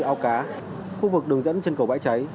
ao cá khu vực đường dẫn chân cầu bãi cháy